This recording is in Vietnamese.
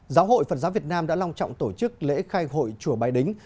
giáo hội phật giáo việt nam đã long trọng tổ chức lễ khai hội chùa bái đính